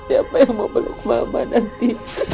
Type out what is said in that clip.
siapa yang memeluk mama nanti